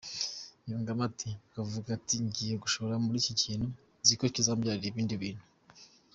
Yungamo ati “Ukavuga uti ngiye gushora muri iki kintu nziko cyizambyarira ibindi bintu.